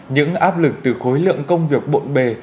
những áp lực từ khối lượng công việc bộn bề